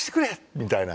みたいな。